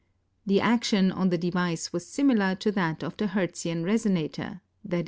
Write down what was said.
The action on the device was similar to that of the Hertzian resonator, i. e.